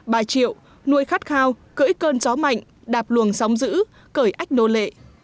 bà triệu nuôi khát khao cưỡi cơn gió mạnh đạp luồng sóng giữ cởi ách nô lệ